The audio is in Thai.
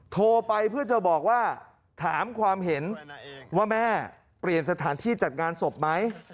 โทรไปเพื่อจะบอกว่าถามความเห็นว่าแม่เปลี่ยนสถานที่จัดงานศพไหม